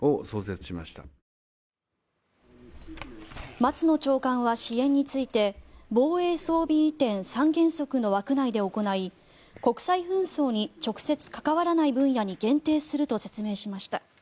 松野長官は支援について防衛装備移転三原則の枠内で行い国際紛争に直接関わらない分野に限定すると説明しました。